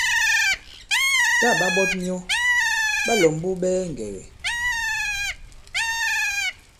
Tǎ ɓa ɓɔt myɔ ɓa lɔ̀mbu ɓɛɛ ŋgɛ̀gɛ̀.